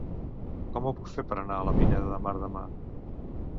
Com ho puc fer per anar a Pineda de Mar demà?